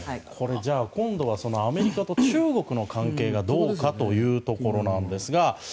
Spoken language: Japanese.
今度はアメリカと中国の関係がどうかというところなんですが。